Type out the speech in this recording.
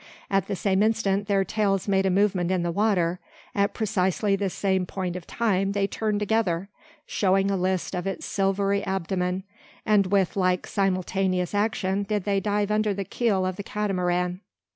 At the same instant their tails made a movement in the water, at precisely the same point of time they turned together, showing a list of its silvery abdomen, and with like simultaneous action did they dive under the keel of the Catamaran.